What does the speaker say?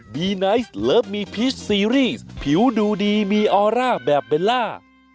ไนท์เลิฟมีพีชซีรีส์ผิวดูดีมีออร่าแบบเบลล่า